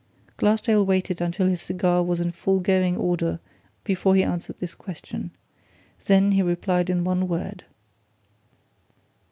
Glassdale waited until his cigar was in full going order before he answered this question. Then he replied in one word.